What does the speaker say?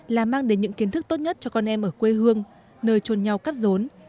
là mang đến những kiến thức tốt nhất cho con em ở quê hương nơi trồn nhau cắt rốn